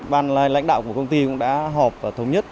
ban lãnh đạo của công ty cũng đã họp và thống nhất